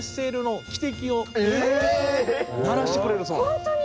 ホントに？